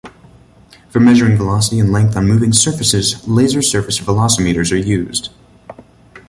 For measuring velocity and length on moving surfaces, laser surface velocimeters are used.